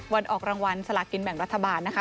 วันออกรางวัลสลากินแบ่งรัฐบาลนะคะ